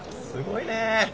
すごいね。